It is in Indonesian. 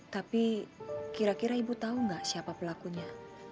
tapi kira kira ibu tahu nggak siapa pelakunya